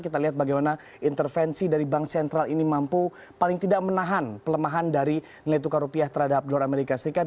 kita lihat bagaimana intervensi dari bank sentral ini mampu paling tidak menahan pelemahan dari nilai tukar rupiah terhadap dolar amerika serikat